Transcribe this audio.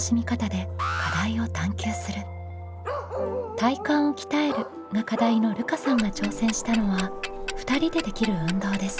「体幹を鍛える」が課題のるかさんが挑戦したのは２人でできる運動です。